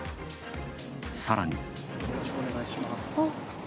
さらに。